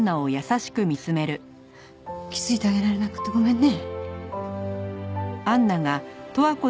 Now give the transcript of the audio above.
気づいてあげられなくてごめんね。